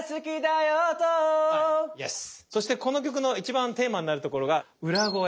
そしてこの曲の一番テーマになるところが裏声。